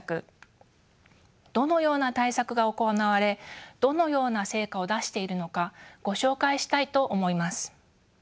どのような対策が行われどのような成果を出しているのかご紹介したいと思います。